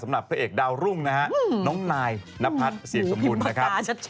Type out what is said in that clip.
พระเอกดาวรุ่งนะฮะน้องนายนพัฒน์เสียงสมบูรณ์นะครับ